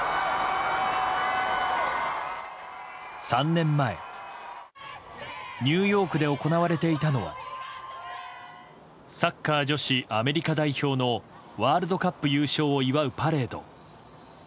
３年前ニューヨークで行われていたのはサッカー女子アメリカ代表のワールドカップ優勝を祝うパレード。